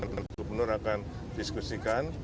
gubernur akan diskusikan